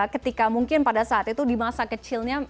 ketika mungkin pada saat itu di masa kecilnya